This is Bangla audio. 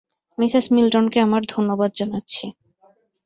মিসেস মিল্টনকে আমার ধন্যবাদ জানাচ্ছি।